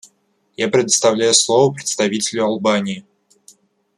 Я предоставляю слово представителю Албании.